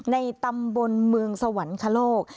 ในตำบลเมืองสวรรคโลก